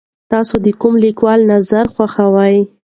تاسو د کوم لیکوال نظر خوښوئ؟